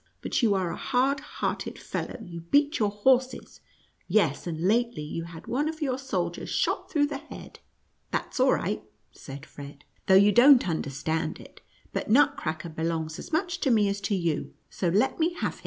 But you are a hard hearted fellow ; you beat your horses ; yes, and lately you had one of your soldiers shot through the head." "That's all right," said Fred, "though you don't understand it. But Nutcracker belongs as much to me as to you, so let me have him."